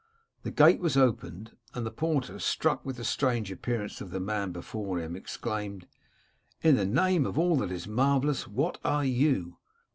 The gate was opened, and the porter, struck with the strange appearance of the man before him, exclaimed, * In the name of all that is marvellous, what are you